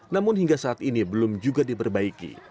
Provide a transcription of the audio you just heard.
namun hingga saat ini belum juga diperbaiki